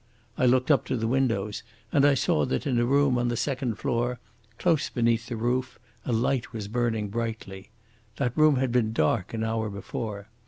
I looked up to the windows and I saw that in a room on the second floor, close beneath the roof, a light was burning brightly. That room had been dark an hour before.